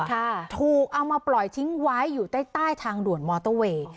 ถูกเอามาปล่อยทิ้งไว้อยู่ใต้ใต้ทางด่วนมอเตอร์เวย์